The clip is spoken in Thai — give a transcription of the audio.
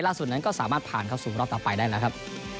สุดนั้นก็สามารถผ่านเข้าสู่รอบต่อไปได้แล้วครับ